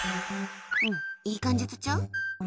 いい感じとちゃう？